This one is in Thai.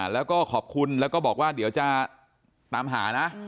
แล้วก็ขอบคุณแล้วก็บอกว่าเดี๋ยวจะตามหานะ